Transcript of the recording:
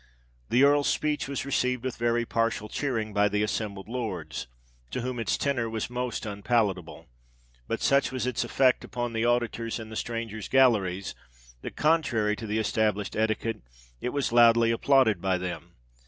The Earl's speech was received with very partial cheering by the assembled Lords, to whom its tenor was most unpalatable: but such was its effect upon the auditors in the strangers' galleries, that, contrary to the established etiquette, it was loudly applauded by them.